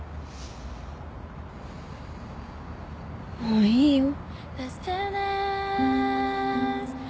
もういいよ。